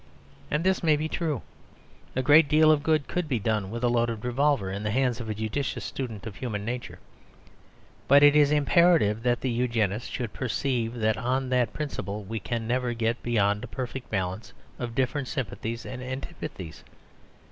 And this may be true. A great deal of good could be done with a loaded revolver, in the hands of a judicious student of human nature. But it is imperative that the Eugenist should perceive that on that principle we can never get beyond a perfect balance of different sympathies and antipathies.